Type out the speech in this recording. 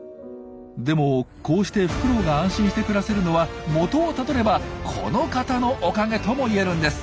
でもこうしてフクロウが安心して暮らせるのは元をたどればこの方のおかげとも言えるんです。